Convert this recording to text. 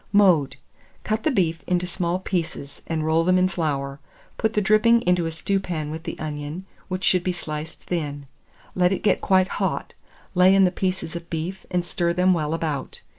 Mode. Cut the beef into small pieces, and roll them in flour; put the dripping into a stewpan with the onion, which should be sliced thin. Let it get quite hot; lay in the pieces of beef, and stir them well about.